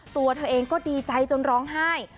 ตัวเธอเองก็ดีใจจนร้องไห้